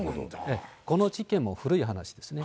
この事件も古い話ですよね。